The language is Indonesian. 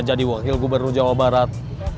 jadi wakil gubernur jawa barat